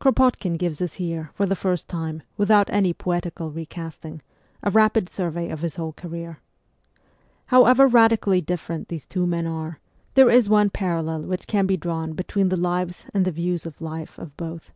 Kropotkin gives us here, for the first time, with out any poetical recasting, a rapid survey of his whole career. However radically different these two men are, there is one parallel which can be drawn between the lives and the views on life of both.